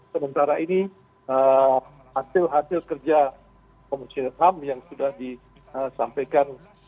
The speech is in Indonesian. sementara ini hasil hasil kerja komisi ham yang sudah disampaikan